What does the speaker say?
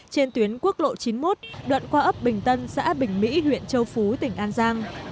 trên tuyến quốc lộ chín mươi một đoạn qua ấp bình tân xã bình mỹ huyện châu phú tỉnh an giang